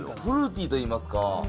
フルーティーといいますか。